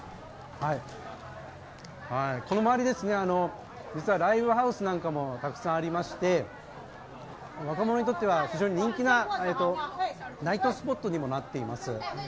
この周り、実はライブハウスなんかもたくさんありまして若者にとっては非常に人気なナイトスポットにもなっています。